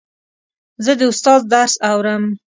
زه د استاد درس اورم.